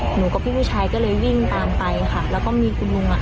หนูกับพี่ผู้ชายก็เลยวิ่งตามไปค่ะแล้วก็มีคุณลุงอ่ะ